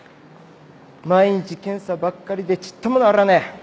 毎日検査ばっかりでちっとも治らねえ。